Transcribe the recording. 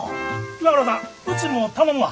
岩倉さんうちも頼むわ。